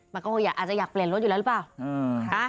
มันก็คงอาจจะอยากเปลี่ยนรถอยู่แล้วหรือเปล่า